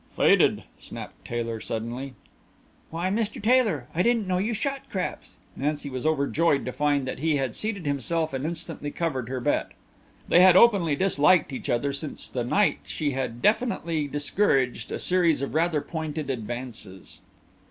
"Faded!" snapped Taylor suddenly. "Why, Mr. Taylor, I didn't know you shot craps!" Nancy was overjoyed to find that he had seated himself and instantly covered her bet. They had openly disliked each other since the night she had definitely discouraged a series of rather pointed advances.